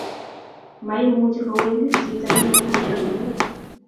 Maimuchi kowendi vhito ne matinye keliek